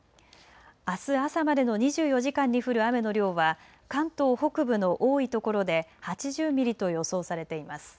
あす朝までの２４時間に降る雨の量は関東北部の多いところで８０ミリと予想されています。